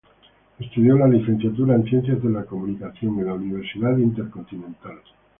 Estudió la licenciatura en Ciencias de la Comunicación en la Universidad Intercontinental.